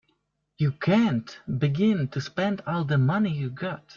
You can't begin to spend all the money you've got.